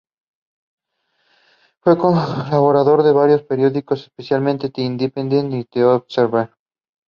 Coal use in Saskatchewan accelerated once it started being used for electricity generation.